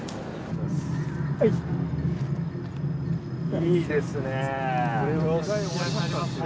いいですね。